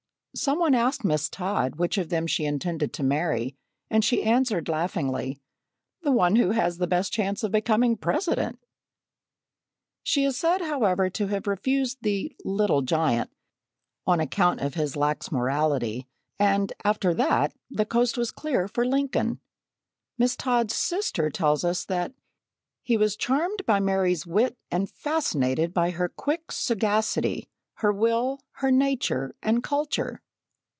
Some one asked Miss Todd which of them she intended to marry, and she answered laughingly: "The one who has the best chance of becoming President!" She is said, however, to have refused the "Little Giant" on account of his lax morality and after that the coast was clear for Lincoln. Miss Todd's sister tells us that "he was charmed by Mary's wit and fascinated by her quick sagacity, her will, her nature, and culture."